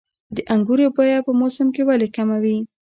د انګورو بیه په موسم کې ولې کمه وي؟